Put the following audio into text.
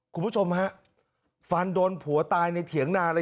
คุณผู้ชมฮะฟันโดนผัวตายในเถียงนาเลย